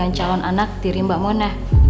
dan calon anak diri mbak mona